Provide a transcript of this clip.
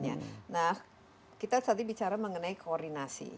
nah kita tadi bicara mengenai koordinasi